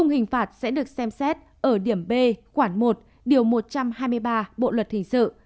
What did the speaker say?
năm hình phạt sẽ được xem xét ở điểm b khoảng một điều một trăm hai mươi ba bộ luật hình sự